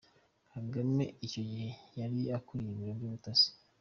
Kagame icyo gihe yari akuriye ibiro by’ubutasi.